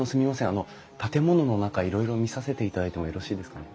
あの建物の中いろいろ見させていただいてもよろしいですかね？